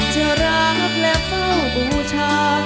จะรักและเฝ้าบูชา